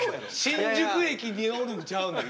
新宿駅におるんちゃうねん